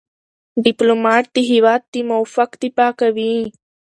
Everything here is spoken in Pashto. ډيپلومات د هېواد د موقف دفاع کوي.